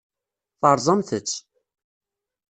Terẓamt-tt.